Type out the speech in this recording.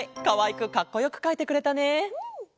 かわいくかっこよくかいてくれたね。